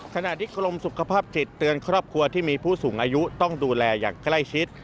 ขณะที่กรมสุขภาพจิตเตือนครอบครัวที่มีผู้สูงอายุต้องดูแลอย่างใกล้ชิด